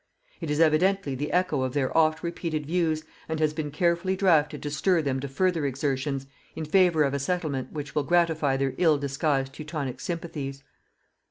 It is evidently the echo of their oft repeated views and has been carefully drafted to stir them to further exertions in favour of a settlement which will gratify their ill disguised Teutonic sympathies.